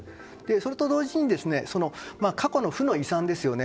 それと同時に過去の負の遺産ですよね